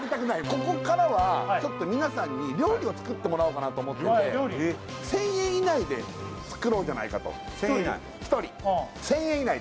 ここからはちょっと皆さんに料理を作ってもらおうかなと思ってて１０００円以内で作ろうじゃないかと１０００円以内？